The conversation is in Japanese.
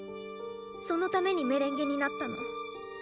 そのためにメレンゲになったの。